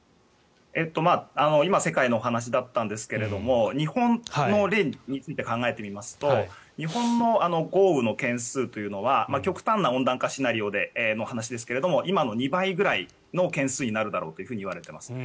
今世界のお話だったんですが日本の例について考えてみますと日本の豪雨の件数というのは極端な温暖化シナリオの話ですが今の２倍くらいの件数になるだろうといわれています。